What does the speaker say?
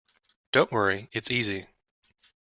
Don’t worry, it’s easy.